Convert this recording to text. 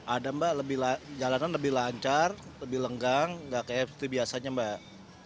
ada mbak jalanan lebih lancar lebih lenggang nggak kayak seperti biasanya mbak